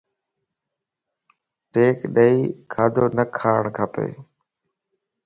ٽيڪ ڏيئ کاڌو نھ کاڻ کپا